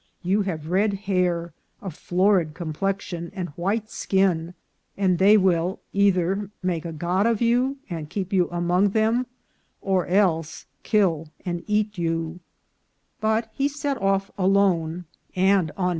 You have red hair, a florid complexion, and white skin, and they will either make a god of you and keep you among them, or else kill and eat you ;" but he set off alone and oh */• 294 INCIDENTS OF TRAVEL.